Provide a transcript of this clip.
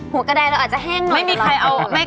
หัวกระดายเราอาจจะแห้งน้อยกว่าเรา